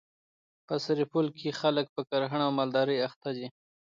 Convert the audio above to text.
په سرپل کي خلک په کرهڼه او مالدري اخته دي.